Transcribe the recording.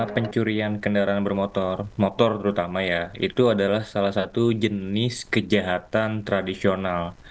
pencurian kendaraan bermotor motor terutama ya itu adalah salah satu jenis kejahatan tradisional